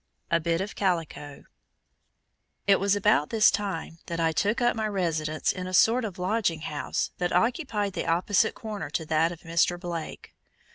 A BIT OF CALICO It was about this time that I took up my residence in a sort of lodging house that occupied the opposite corner to that of Mr. Blake.